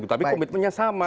tapi komitmennya sama